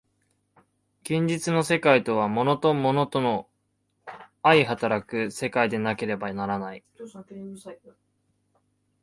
現実の世界とは物と物との相働く世界でなければならない。